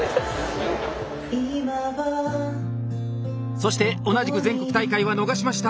そして同じく全国大会は逃しました